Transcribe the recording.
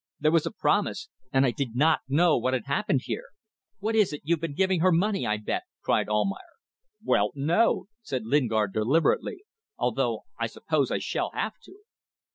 There was a promise. And I did not know what had happened here." "What is it. You've been giving her money, I bet," cried Almayer. "Well, no!" said Lingard, deliberately. "Although I suppose I shall have to